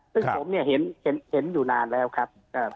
ซึ่งผมเนี่ยเห็นอยู่นานแล้วครับ